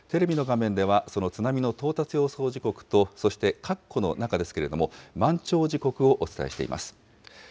テレビの画面では、その津波の到達予想時刻とそしてかっこの中ですけれども、満潮時刻をお伝えしています。